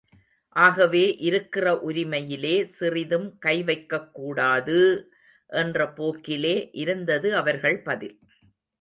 ஆகவே இருக்கிற உரிமையிலே சிறிதும் கை வைக்கக்கூடாது! என்ற போக்கிலே இருந்தது அவர்கள் பதில்.